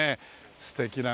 素敵なね